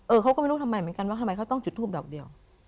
เขาก็ไม่รู้ทำไมเหมือนกันว่าทำไมเขาต้องจุดทูปดอกเดียว